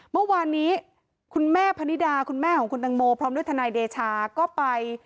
เมื่อวานนี้คุณแม่พนิดาคุณแม่ของคุณตังโมพร้อมด้วยทนายเดชาก็ไป